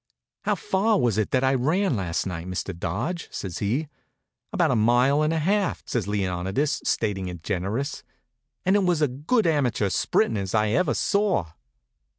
"How far was it that I ran last night, Mr. Dodge?" says he. "About a mile and a half," says Leonidas, stating it generous. "And it was as good amateur sprinting as I ever saw."